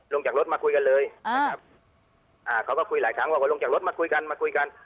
ลงจากรถมาคุยกันเลยนะครับอ่าเขาก็คุยหลายครั้งบอกว่าลงจากรถมาคุยกันมาคุยกัน